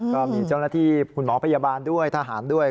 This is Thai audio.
ก็มีเจ้าหน้าที่คุณหมอพยาบาลด้วยทหารด้วย